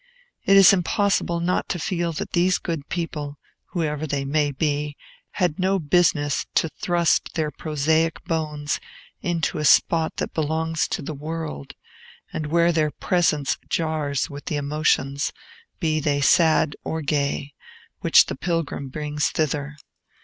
It is impossible not to feel that these good people, whoever they may be, had no business to thrust their prosaic bones into a spot that belongs to the world, and where their presence jars with the emotions, be they sad or gay, which the pilgrim brings thither.